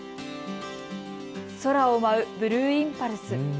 空を舞うブルーインパルス。